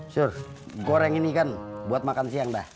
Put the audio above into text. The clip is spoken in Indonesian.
surf goreng ini kan buat makan siang dah